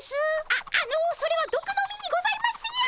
あっあのそれはどくの実にございますよ。